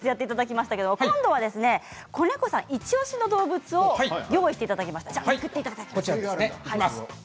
今度は小猫さんイチおしの動物を用意していただきました。